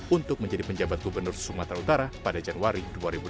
untuk menjadi penjabat gubernur sumatera utara pada januari dua ribu delapan belas